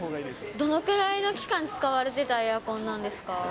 どのくらいの期間、使われてたエアコンなんですか？